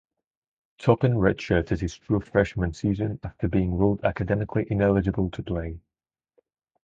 Toppin redshirted his true freshman season after being ruled academically ineligible to play.